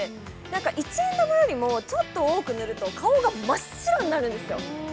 なんか一円玉よりもちょっと多く塗ると顔が真っ白になるんですよ。